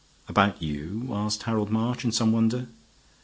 "About you?" asked Harold March in some wonder.